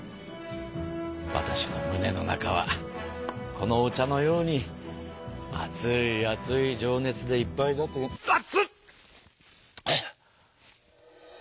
わたしのむねの中はこのお茶のように熱い熱い情熱でいっぱいだというの熱っ！